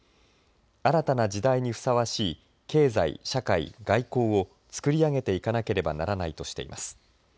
新たな時代にふさわしい経済・社会・外交を創り上げていかなければならないとしています。